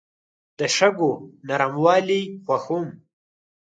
زه د شګو نرموالي خوښوم.